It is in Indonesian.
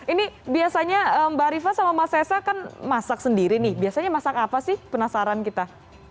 ini biasanya mbak rifa sama mas esa kan masak sendiri nih biasanya masak apa sih penasaran kita